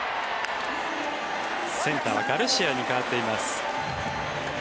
センターはガルシアに代わっています。